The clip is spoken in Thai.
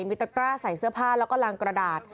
มีตะกร้าใส่เสื้อผ้าแล้วก็ลางกระดาษ